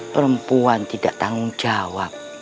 perempuan tidak tanggung jawab